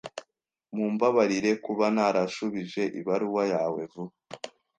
Mumbabarire kuba ntarashubije ibaruwa yawe vuba.